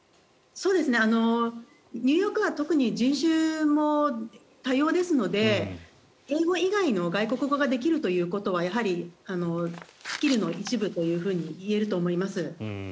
ニューヨークは特に人種も多様ですので英語以外の外国語ができるということはやはりスキルの一部といえると思います。